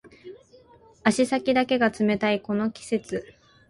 足先だけが冷たいこの季節